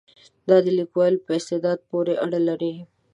دا د لیکوال په استعداد پورې اړه لري.